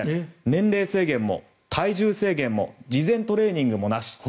年齢制限も体重制限も事前トレーニングもなし。